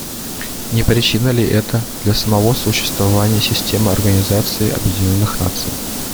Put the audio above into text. Не причина ли это для самого существования системы Организации Объединенных Наций?